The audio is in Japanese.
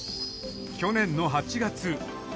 去年の８月。